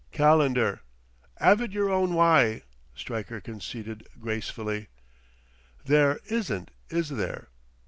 "Calendar " "'Ave it yer own wye," Stryker conceded gracefully. "There isn't, is there?"